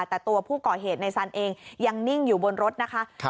แต่ตัวผู้ก่อเหตุในสันเองยังนิ่งอยู่บนรถนะคะ